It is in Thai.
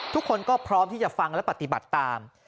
ทุกคนก็พร้อมที่จะฟังและปฏิบัติตาม